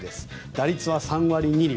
打率は３割２厘